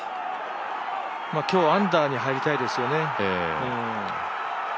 今日、アンダーに入りたいですよね。